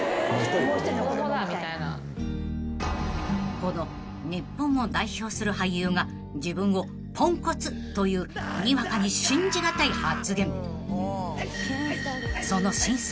［この日本を代表する俳優が自分をポンコツというにわかに信じ難い発言］